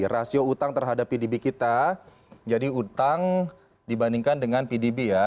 rasio utang terhadap pdb kita jadi utang dibandingkan dengan pdb ya